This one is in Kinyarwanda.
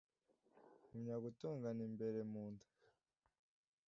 Ngumya gutongana imbere mu nda.